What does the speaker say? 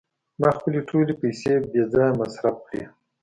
ما خپلې ټولې پیسې بې ځایه مصرف کړې.